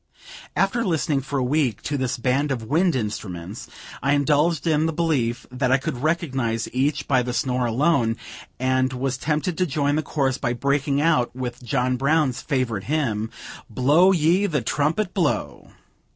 After listening for a week to this band of wind instruments, I indulged in the belief that I could recognize each by the snore alone, and was tempted to join the chorus by breaking out with John Brown's favorite hymn: "Blow ye the trumpet, blow!"